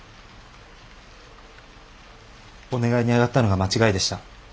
お願いに上がったのが間違いでした。